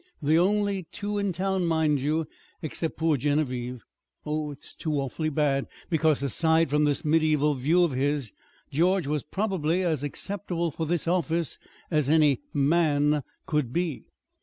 The only two in town, mind you, except poor Genevieve. Oh, it's too awfully bad, because aside from this medieval view of his, George was probably as acceptable for this office as any man could be."